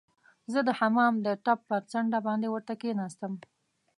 زه د حمام د ټپ پر څنډه باندې ورته کښیناستم.